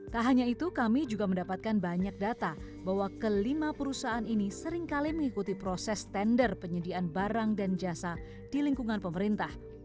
tak hanya itu kami juga mendapatkan banyak data bahwa kelima perusahaan ini seringkali mengikuti proses tender penyediaan barang dan jasa di lingkungan pemerintah